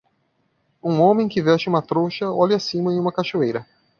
Um homem que veste uma trouxa olha acima em uma cachoeira.